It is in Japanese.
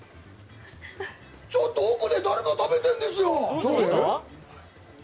ちょっと奥で誰か食べてるんですよ。